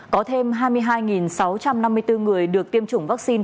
có thêm hai mươi hai sáu trăm năm mươi bốn người được tiêm chủng vaccine